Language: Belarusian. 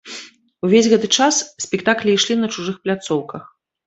Увесь гэты час спектаклі ішлі на чужых пляцоўках.